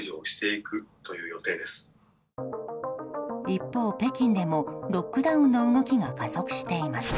一方、北京でもロックダウンの動きが加速しています。